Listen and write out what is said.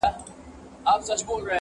لا تیاره وه په اوږو یې ساه شړله-